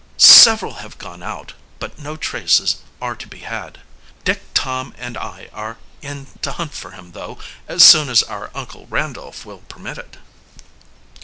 "Several have gone out, but no traces are to be had. Dick, Tom, and I are in to hunt for him, though, as soon as our Uncle Randolph will permit it."